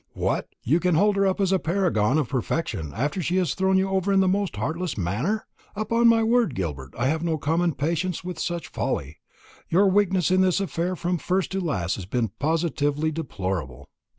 "What! you can hold her up as a paragon of perfection after she has thrown you over in the most heartless manner? Upon my word, Gilbert, I have no common patience with such folly. Your weakness in this affair from first to last has been positively deplorable."